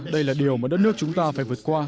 đây là điều mà đất nước chúng ta phải vượt qua